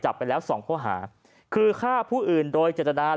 จับไปแล้วสองข้อหาคือฆ่าผู้อื่นโดยเจตนา